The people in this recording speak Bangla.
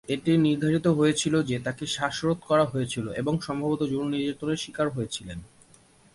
এটি নির্ধারিত হয়েছিল যে তাকে শ্বাসরোধ করা হয়েছিল এবং সম্ভবত যৌন নির্যাতনের শিকার হয়েছিল।